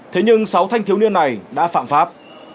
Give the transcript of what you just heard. thế nhưng sáu thanh thiếu niên này đã phạm pháp